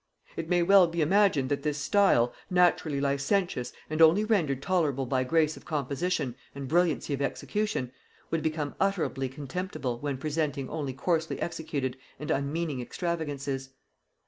It may well be imagined that this style, naturally licentious and only rendered tolerable by grace of composition and brilliancy of execution, would become utterly contemptible when presenting only coarsely executed and unmeaning extravagances.